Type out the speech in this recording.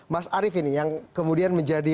mas arief ini yang kemudian menjadi